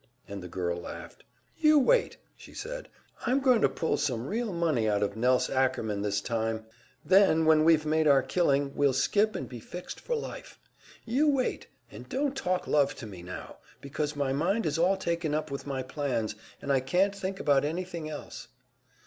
And the girl laughed. "You wait!" she said. "I'm going to pull some real money out of Nelse Ackerman this time! Then when we've made our killing, we'll skip, and be fixed for life. You wait and don't talk love to me now, because my mind is all taken up with my plans, and I can't think about anything else."